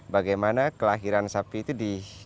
bagaimana kelahiran sapi itu di